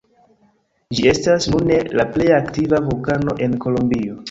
Ĝi estas nune la plej aktiva vulkano en Kolombio.